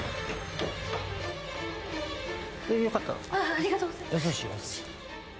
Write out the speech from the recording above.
ありがとうございます。